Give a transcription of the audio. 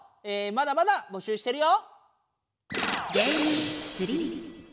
まだまだ募集してるよ！